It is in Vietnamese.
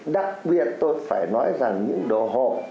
đặc biệt tôi phải nói rằng những đồ hộ